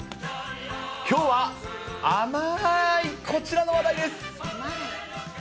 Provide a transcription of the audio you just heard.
きょうは、甘ーいこちらの話題です。